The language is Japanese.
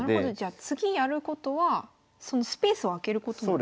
次やることはそのスペースを開けることなんですね。